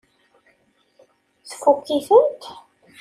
Tfukk-itent?